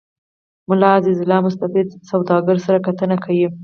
ملا عزيزالله مصطفى سوداګرو سره کتنه کې